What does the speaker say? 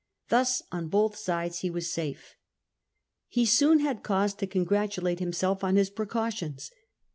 Thus on both sides he was safe. He soon had cause to congratulate himself on his precautions.